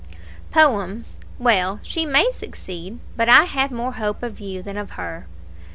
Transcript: "Poems well, she may succeed; but I have more hope of you than of her."